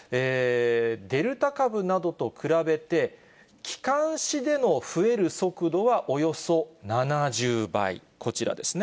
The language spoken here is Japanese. デルタ株などと比べて、気管支での増える速度はおよそ７０倍、こちらですね。